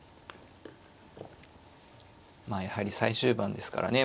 まあやはり最終盤ですからね